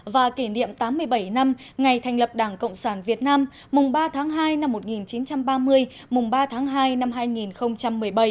và kỷ niệm tám mươi bảy năm ngày thành lập đảng cộng sản việt nam mùng ba tháng hai năm một nghìn chín trăm ba mươi mùng ba tháng hai năm hai nghìn một mươi bảy